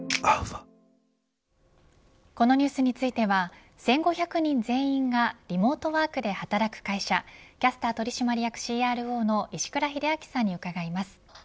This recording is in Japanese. このニュースについては１５００人全員がリモートワークで働く会社キャスター取締役ＣＲＯの石倉秀明さんに伺います。